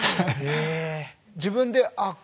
自分であっ